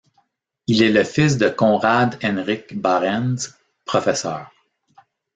Il est le fils de Conrad Heinrich Bährens, professeur.